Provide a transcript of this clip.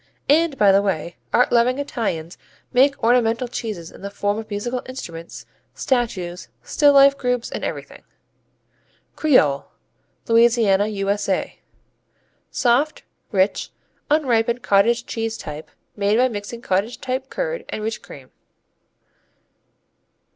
And by the way, art loving Italians make ornamental cheeses in the form of musical instruments, statues, still life groups and everything. Creole Louisiana, U.S.A. Soft, rich, unripened cottage cheese type, made by mixing cottage type curd and rich cream.